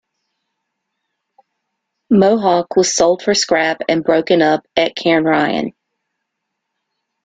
"Mohawk" was sold for scrap and broken up at Cairnryan.